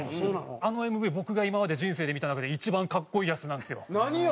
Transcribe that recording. あのＭＶ僕が今まで人生で見た中で一番格好いいやつなんですよ。何よ！